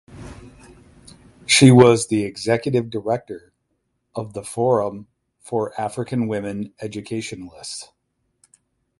She was the Executive Director of the Forum for African Women Educationalists.